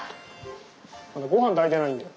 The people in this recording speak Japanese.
まだごはん炊いてないんだよ。